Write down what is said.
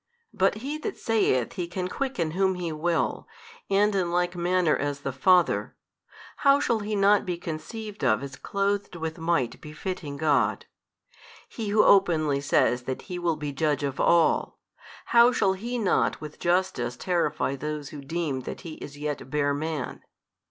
But He That saith He can quicken whom He will, and in like manner as the Father: how shall He not be conceived of as clothed with Might befitting God? He Who openly says that He will be Judge of all, how shall He not with justice terrify those who deem that He is yet bare Man?